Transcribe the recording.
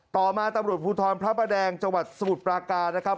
ต่อมาตำรวจภูทรพระประแดงจังหวัดสมุทรปราการนะครับ